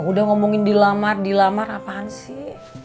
udah ngomongin dilamar dilamar apaan sih